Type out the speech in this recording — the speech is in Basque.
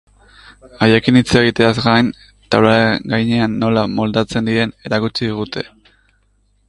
Haiekin hitz egiteaz gain, taulagainean nola moldatzen diren erakutsi digute.